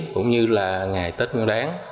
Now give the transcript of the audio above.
cũng như là ngày tết ngân đáng